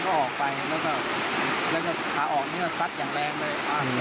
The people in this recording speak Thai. คนก็ออกไปแล้วก็ขาออกเนื้อสัดอย่างแรงด้วย